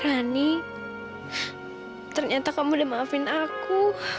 rani ternyata kamu udah maafin aku